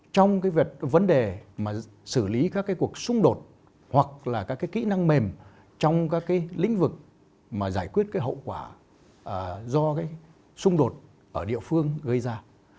trong vấn đề xử lý các cuộc xung đột hoặc là các kỹ năng mềm trong các lĩnh vực giải quyết hậu quả do xung đột ở địa phương gây ra